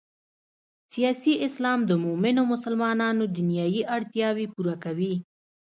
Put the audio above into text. سیاسي اسلام د مومنو مسلمانانو دنیايي اړتیاوې پوره کوي.